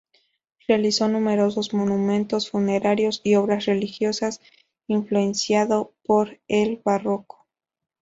Realizó numerosos monumentos funerarios y obras religiosas influenciado por el Barroco.